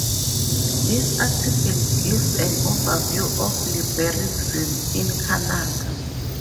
This article gives an overview of liberalism in Canada.